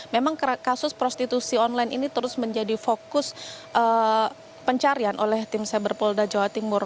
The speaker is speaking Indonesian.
memang kasus prostitusi online ini terus menjadi fokus pencarian oleh tim cyber polda jawa timur